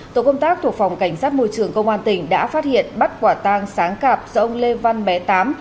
tổ công tác thuộc phòng cảnh sát môi trường công an tỉnh đã phát hiện bắt quả tang sáng cạp do ông lê văn bé tám